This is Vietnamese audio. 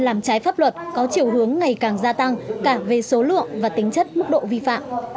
làm trái pháp luật có chiều hướng ngày càng gia tăng cả về số lượng và tính chất mức độ vi phạm